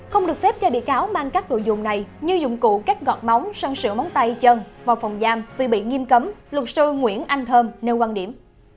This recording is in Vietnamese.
không được phép cho bị cáo mang các đồ dùng này như dụng cụ cắt gọt máu săn sửa móng tay chân vào phòng giam vì bị nghiêm cấm luật sư nguyễn anh thơm nêu quan điểm